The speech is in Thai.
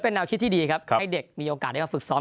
แนวคิดที่ดีครับให้เด็กมีโอกาสได้มาฝึกซ้อม